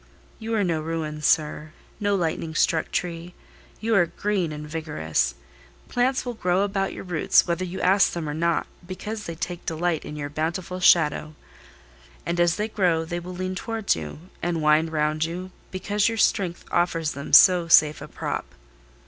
"You are no ruin, sir—no lightning struck tree: you are green and vigorous. Plants will grow about your roots, whether you ask them or not, because they take delight in your bountiful shadow; and as they grow they will lean towards you, and wind round you, because your strength offers them so safe a prop."